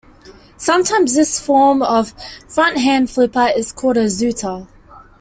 Sometimes this form of front-hand flipper is called a "zooter".